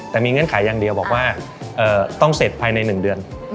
แต่มีเงื่อนไขอย่างเดียวบอกว่าต้องเสร็จภายใน๑เดือน